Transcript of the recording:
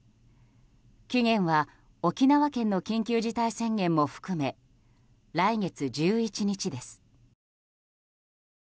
期限は沖縄県の緊急事態宣言も含め来月１１日です。